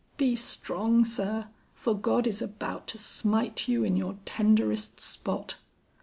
Be strong, sir, for God is about to smite you in your tenderest spot.